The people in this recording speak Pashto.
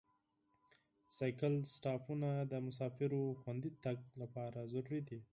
د بایسکل سټاپونه د مسافرو خوندي تګ لپاره ضروري دي.